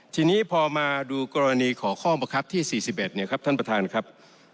ทีนี้พอมาดูกรณีขอข้อบังคับที่๔๑เนี่ยครับท่านประธานครับ